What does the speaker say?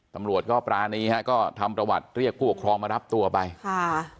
ตำรวจก็ปรานีฮะก็ทำประวัติเรียกผู้ปกครองมารับตัวไปค่ะ